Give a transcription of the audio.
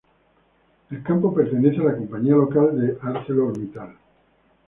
El campo pertenece a la compañía local de ArcelorMittal.